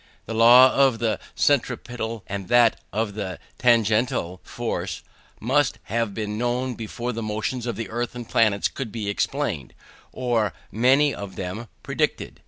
The law of the centripetal and that of the tangential force must have been known before the motions of the earth and planets could be explained, or many of them predicted.